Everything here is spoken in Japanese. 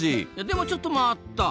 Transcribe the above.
でもちょっと待った！